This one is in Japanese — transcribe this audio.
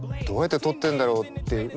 どうやって撮ってるんだろうって。